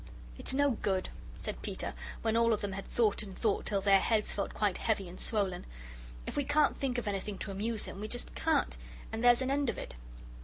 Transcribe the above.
"It's no good," said Peter, when all of them had thought and thought till their heads felt quite heavy and swollen; "if we can't think of anything to amuse him, we just can't, and there's an end of it.